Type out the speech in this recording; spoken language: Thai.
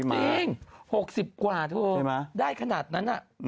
หกสิบกว่าดูนะได้ขนาดนั้นน่ะ